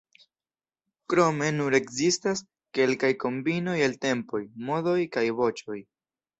Krome nur ekzistas kelkaj kombinoj el tempoj, modoj kaj voĉoj.